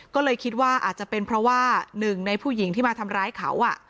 ก็เลยคิดว่าอาจจะเป็นเพราะว่าหนึ่งในผู้หญิงที่มาทำร้ายเขา